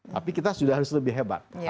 tapi kita sudah harus lebih hebat